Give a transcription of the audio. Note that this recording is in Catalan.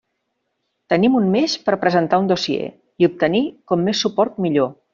Tenim un mes per presentar un dossier i obtenir com més suport millor.